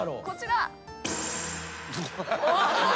こちら。